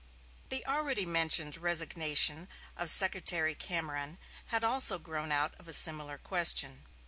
The already mentioned resignation of Secretary Cameron had also grown out of a similar question.